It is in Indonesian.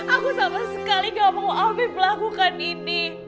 aku sama sekali gak mau obib melakukan ini